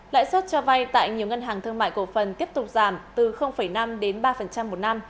lãi suất cho vay tại nhiều ngân hàng thương mại cổ phần tiếp tục giảm từ năm đến ba một năm